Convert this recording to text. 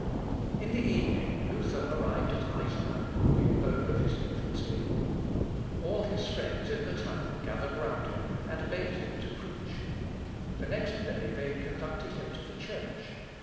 In the evening, Luther arrived at Eisenach, the abode of his infancy. All his friends in the town gathered round him, and begged him to preach. The next day they conducted him to the church.